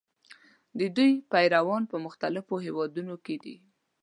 د دوی پیروان په مختلفو هېوادونو کې دي.